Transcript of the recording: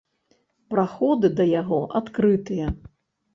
Праходы да яго адкрытыя.